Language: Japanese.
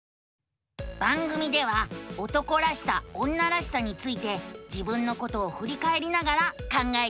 番組では「男らしさ女らしさ」について自分のことをふりかえりながら考えているのさ。